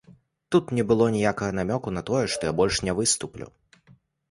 Тут не было ніякага намёку на тое, што я больш не выступлю.